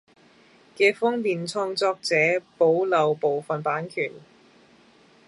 既方便創作者保留部份版權